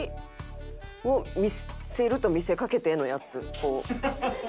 こう。